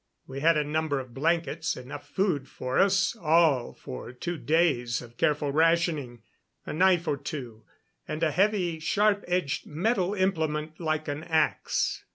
We had a number of blankets, enough food for us all for two days of careful rationing, a knife or two, and a heavy, sharp edged metal implement like an ax.